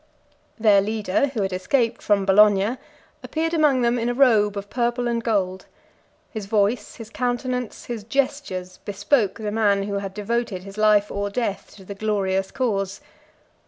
Their leader, who had escaped from Bologna, appeared among them in a robe of purple and gold: his voice, his countenance, his gestures, bespoke the man who had devoted his life or death to the glorious cause.